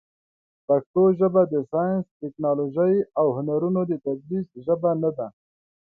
پښتو ژبه د ساینس، ټکنالوژۍ، او هنرونو د تدریس ژبه نه ده.